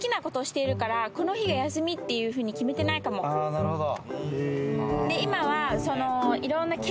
あなるほど。